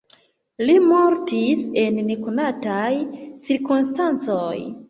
Li mortis en nekonataj cirkonstancoj.